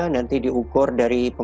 nanti diukur dari pemukulannya